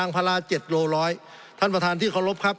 สงบจนจะตายหมดแล้วครับ